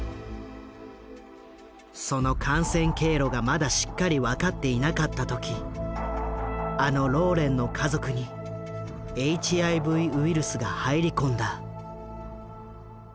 その感染経路がまだしっかり分かっていなかった時あのローレンの家族にＨＩＶウイルスが入り込んだ。